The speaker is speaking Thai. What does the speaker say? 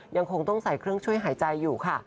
ยังคงต้องใส่เครื่องช่วยหายใจอยู่ค่ะ